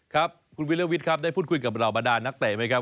ครับคุณวิลวิทย์ครับได้พูดคุยกับเหล่าบรรดานักเตะไหมครับ